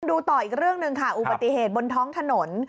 ต่ออีกเรื่องหนึ่งค่ะอุบัติเหตุบนท้องถนน